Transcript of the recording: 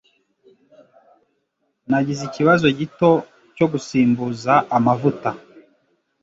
Nagize ikibazo gito cyo gusimbuza amavuta